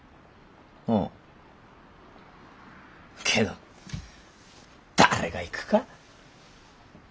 けど誰が行くか。